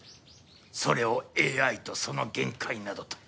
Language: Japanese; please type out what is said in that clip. それを「ＡＩとその限界」などと。